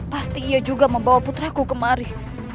pasti ia juga membawa putraku kemari